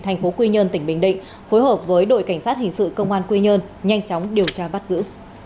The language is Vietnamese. thành phố quy nhơn tỉnh bình định phối hợp với đội cảnh sát hình sự công an quy nhơn nhanh chóng điều tra bắt giữ